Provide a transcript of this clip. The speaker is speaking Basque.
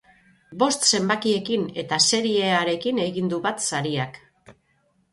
Bost zenbakiekin eta seriearekin egin du bat sariak.